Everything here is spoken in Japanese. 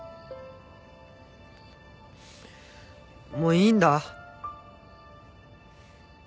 もういいんだ。